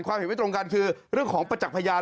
เห็นไม่ตรงกันคือเรื่องของประจักษ์พยาน